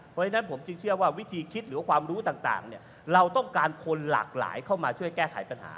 เพราะฉะนั้นผมจึงเชื่อว่าวิธีคิดหรือความรู้ต่างเราต้องการคนหลากหลายเข้ามาช่วยแก้ไขปัญหา